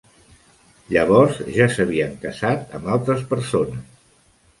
Llavors ja s'havien casat amb altres persones.